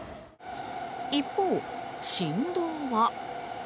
一方、振動は？